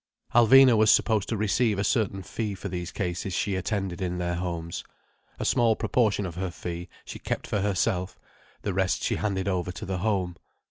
Alvina was supposed to receive a certain fee for these cases she attended in their homes. A small proportion of her fee she kept for herself, the rest she handed over to the Home.